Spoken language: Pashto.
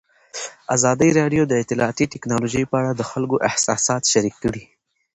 ازادي راډیو د اطلاعاتی تکنالوژي په اړه د خلکو احساسات شریک کړي.